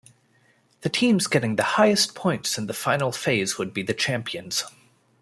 The teams getting the highest points in the final phase would be the champions.